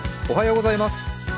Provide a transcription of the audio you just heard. おはようございます。